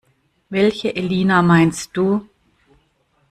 Welche Elina meinst du?